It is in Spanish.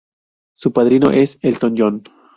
Su padrino es Elton John.